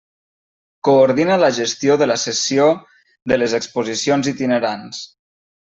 Coordina la gestió de la cessió de les exposicions itinerants.